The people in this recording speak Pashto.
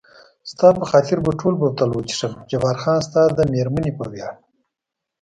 ستا په خاطر به ټوله بوتل وڅښم، جبار خان ستا د مېرمنې په ویاړ.